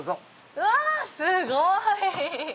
うわすごい。